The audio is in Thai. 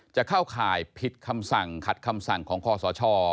จะเข้าข่ายผิดคำสั่งขัดคำสั่งของคอสช